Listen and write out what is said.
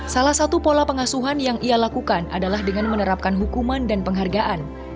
salah satu pola pengasuhan yang ia lakukan adalah dengan menerapkan hukuman dan penghargaan